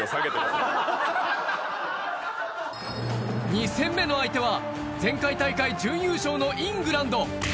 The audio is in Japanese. ２戦目の相手は前回大会、準優勝のイングランド。